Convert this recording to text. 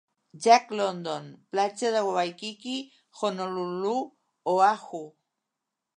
Jack London, platja de Waikiki, Honolulu, Oahu.